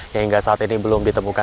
yang hingga saat ini belum ditemukan